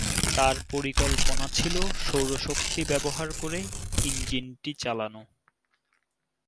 তার পরিকল্পনা ছিল সৌরশক্তি ব্যবহার করে ইঞ্জিনটি চালানো।